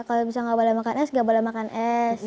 kalau misalnya nggak boleh makan es nggak boleh makan es